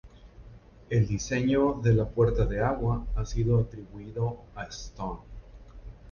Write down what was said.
El diseño de la puerta de agua ha sido atribuido a Stone.